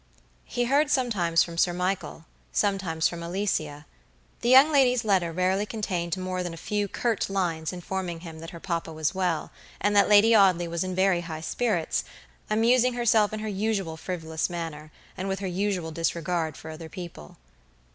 He heard sometimes from Sir Michael, sometimes from Alicia. The young lady's letter rarely contained more than a few curt lines informing him that her papa was well; and that Lady Audley was in very high spirits, amusing herself in her usual frivolous manner, and with her usual disregard for other people.